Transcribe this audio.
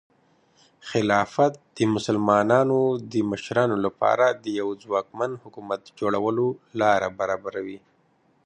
خلافت د مسلمانانو د مشرانو لپاره د یوه ځواکمن حکومت جوړولو لاره برابروي.